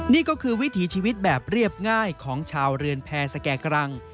นี่ก็คือวิถีชีวิตแบบเรียบง่ายของชาวเรือนแพรสแก่กรัง